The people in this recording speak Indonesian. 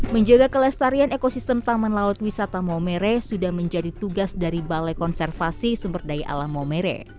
menjaga kelestarian ekosistem taman laut wisata nomere sudah menjadi tugas dari balai konservasi sumberdaya alam nomere